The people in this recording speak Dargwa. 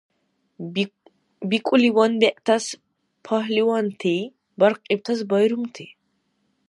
БикӀуливан, бегӀтас –пагьливанти, баркьибтас – байрумти.